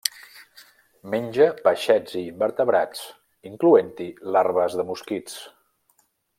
Menja peixets i invertebrats, incloent-hi larves de mosquits.